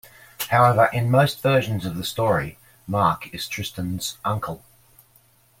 However, in most versions of the story, Mark is Tristan's uncle.